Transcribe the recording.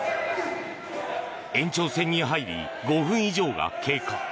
延長戦に入り、５分以上が経過。